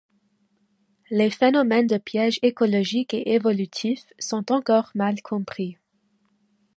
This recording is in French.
Les phénomènes de pièges écologiques et évolutifs sont encore mal compris.